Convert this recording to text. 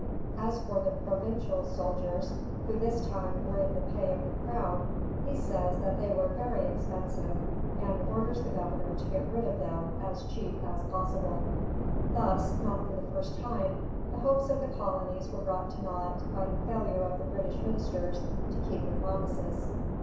As for the provincial soldiers, who this time were in the pay of the Crown, he says that they were "very expensive," and orders the Governor to get rid of them "as cheap as possible." [Footnote: Newcastle to Shirley, 30 May 1747.] Thus, not for the first time, the hopes of the colonies were brought to nought by the failure of the British ministers to keep their promises.